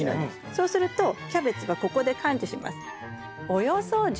そうするとキャベツがここで感知します。